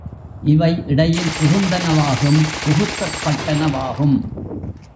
இவை இடையில் புகுந்தனவாகும் புகுத்தப்பட்டனவாகும்.